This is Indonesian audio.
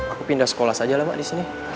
aku pindah sekolah saja lah mak disini